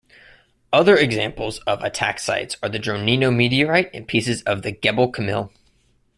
Other examples of ataxites are the Dronino meteorite and pieces of the Gebel Kamil.